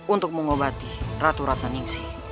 untuk mengobati ratu ratna ningsi